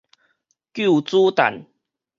救主誕